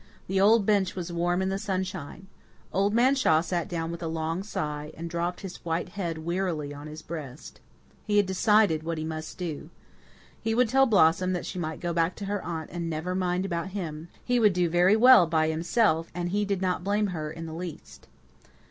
The old bench was warm in the sunshine. Old Man Shaw sat down with a long sigh, and dropped his white head wearily on his breast. He had decided what he must do. He would tell Blossom that she might go back to her aunt and never mind about him he would do very well by himself and he did not blame her in the least.